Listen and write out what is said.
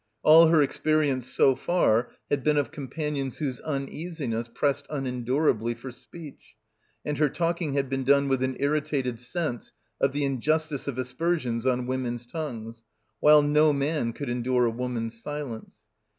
All her experience so far had been of companions whose uneasiness pressed unendurably for speech, and her talking had been done with an irritated sense of the injustice of aspersions on "women's tongues," while no man could endure a woman's silence